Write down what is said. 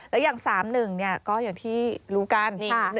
แล้วอย่าง๓๑ก็อย่างที่รู้กัน